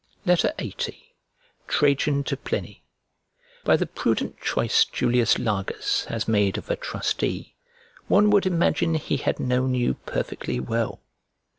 LXXX TRAJAN TO PLINY By the prudent choice Julius Largus has made of a trustee, one would imagine he had known you perfectly well.